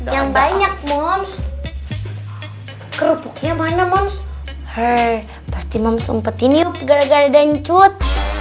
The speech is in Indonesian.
yang banyak mom kerupuknya mana moms pasti moms umpetin yuk gara gara dan cut